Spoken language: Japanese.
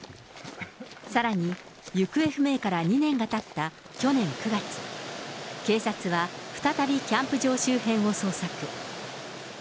さらに、行方不明から２年がたった去年９月、警察は再びキャンプ場周辺を捜索。